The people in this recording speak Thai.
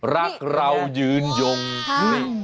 รักเรายืนยงที่